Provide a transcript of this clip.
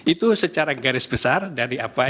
itu secara garis besar dari apa